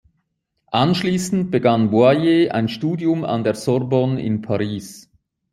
Anschließend begann Boyer ein Studium an der Sorbonne in Paris.